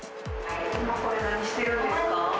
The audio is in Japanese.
今、これ、何してるんですか？